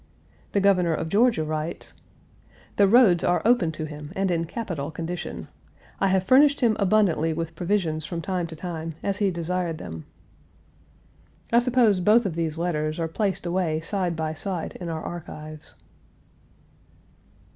The Governor of Georgia writes: "The roads are open to him and in capital condition. I have furnished him abundantly with provisions from time to time, as he desired them." I suppose both of these letters are placed away side by side in our archives.